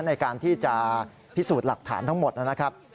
ในการที่จะพิสูจน์หลักฐานทั้งหมดนะครับ